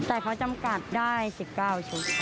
แต่เขาจำกัดได้๑๙ชุด